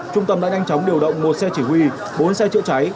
trung tâm đã nhanh chóng điều động một xe chỉ huy bốn xe chữa cháy